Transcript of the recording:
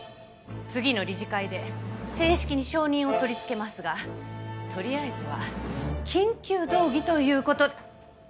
次の理事会で正式に承認を取り付けますがとりあえずは緊急動議という事で。